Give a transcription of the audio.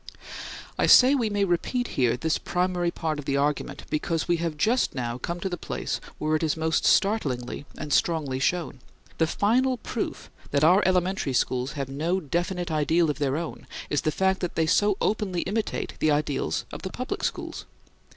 I say we may repeat here this primary part of the argument, because we have just now come to the place where it is most startlingly and strongly shown. The final proof that our elementary schools have no definite ideal of their own is the fact that they so openly imitate the ideals of the public schools.